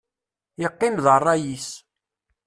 Yeqqim d rray-is.